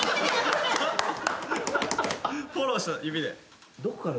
フォローした指で。